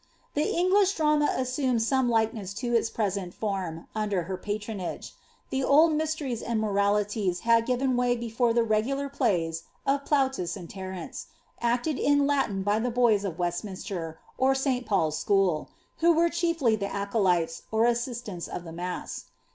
The English drama assumed some likeness to its present form under her patronage. The old mysteries and moralities had given way before the regular plays of Plautus and Terence, acted in Latin by the boys of Westminster or St. PauPs school, who were chiefly the acolytes, or assistants of the mass.